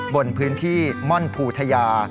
บนพื้นที่ม่อนภูทยา